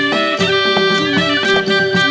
โปรดติดตามต่อไป